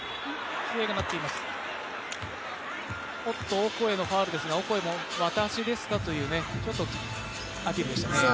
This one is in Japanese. オコエのファウルですが、オコエも私ですか？というアピールでしたね。